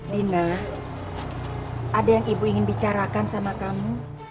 dina ada yang ibu ingin bicarakan sama kamu